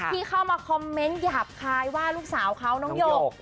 ที่เข้ามาคอมเมนต์หยาบคายว่าลูกสาวเขาน้องหยก